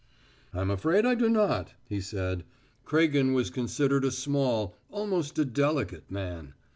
"I'm afraid I do not," he said. "Craigen was considered a small, almost a delicate, man."